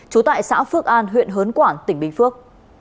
trú tại xã phước an huyện hớn quản tỉnh bình phước